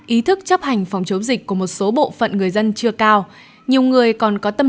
ý thức chấp hành phòng chống dịch của một số bộ phận người dân chưa cao nhiều người còn có tâm